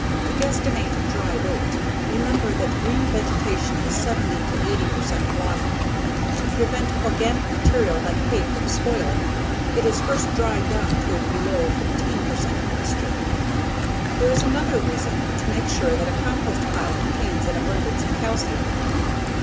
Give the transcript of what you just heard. To guestimate dry weight, remember that green vegetation is 70 80 percent water, to prevent organic material like hay from spoiling it is first dried down to below 15 percent moisture. There is another reason to make sure that a compost pile contains an abundance of calcium.